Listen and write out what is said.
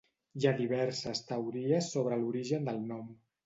Hi ha diverses teories sobre l'origen del nom.